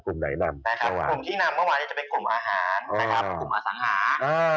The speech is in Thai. คลุมที่นำเมื่อวานจะเป็นกลุ่มอาหารคลุมอสหา